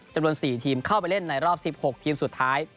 จำนวน๔ทีมเข้าไปเล่นในรอบ๑๖ทีมสุดท้าย